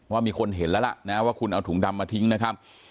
ว่ามีคนเห็นแล้วล่ะนะว่าคุณเอาถุงดำมาทิ้งนะครับ